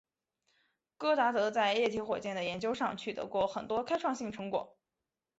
戈达德在液体火箭的研究上取得过很多开创性成果。